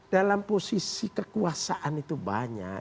dalam posisi kekuasaan itu banyak